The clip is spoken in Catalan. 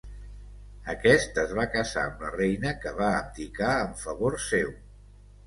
Aquest es va casar amb la reina que va abdicar en favor seu.